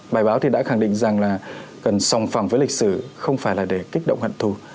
bài báo thì đã khẳng định rằng là cần sòng phẳng với lịch sử không phải là để kích động hận thù